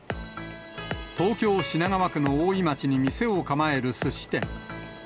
東京・品川区の大井町に店を構えるすし店。